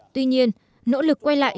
tuy nhiên nỗ lực quay lại